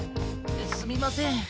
すみません。